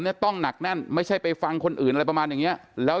เนี่ยต้องหนักแน่นไม่ใช่ไปฟังคนอื่นอะไรประมาณอย่างเนี้ยแล้ว